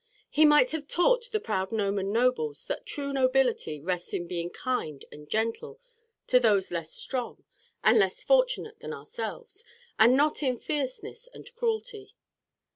He might have taught the proud Norman nobles that true nobility rests in being kind and gentle to those less strong and less fortunate than ourselves, and not in fierceness and cruelty.